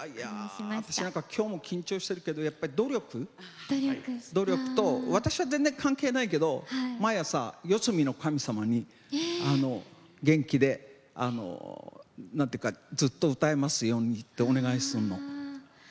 私なんか今日も緊張しているけど努力と、私は全然関係ないけど毎朝、四隅の神様に元気でずっと歌えますようにってお願いをするの。